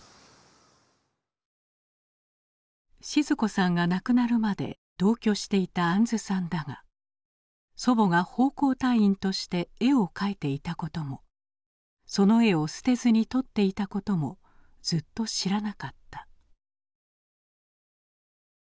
靜子さんが亡くなるまで同居していた杏さんだが祖母が奉公隊員として絵を描いていたこともその絵を捨てずに取っていたこともずっと知らなかった。